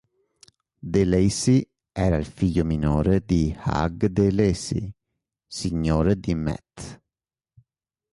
De Lacy era il figlio minore di Hugh de Lacy, signore di Meath.